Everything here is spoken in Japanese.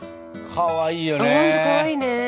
かわいいよね。